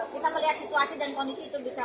kita melihat situasi dan kondisi itu bisa